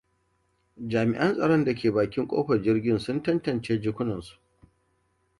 Jami'an tsaron da ke bakin kofar jirgin sun tantance jakunansu.